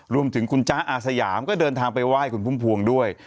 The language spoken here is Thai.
รวมถึงคุณจ๊ะอาสยามก็เดินทางไปไหว้คุณพุ่มพวงด้วย